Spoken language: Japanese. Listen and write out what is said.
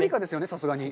さすがに。